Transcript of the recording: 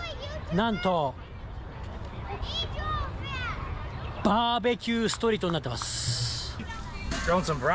なんと、バーベキューストリートになっています。